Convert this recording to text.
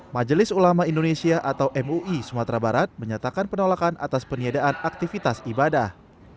majelis ulama indonesia atau mui sumatera barat menyatakan penolakan atas peniadaan aktivitas ibadah